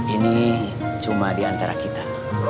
ini cuma diantara kita